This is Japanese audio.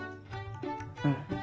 うん。